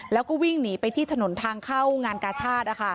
แล้วก็วิ่งหนีไปที่ถนนทางเข้างานกาชาติ